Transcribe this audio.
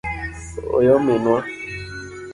Oyo minwa.